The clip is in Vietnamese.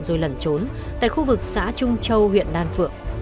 rồi lẩn trốn tại khu vực xã trung châu huyện đan phượng